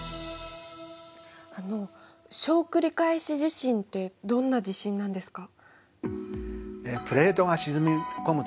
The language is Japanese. あの小繰り返し地震ってどんな地震なんですか？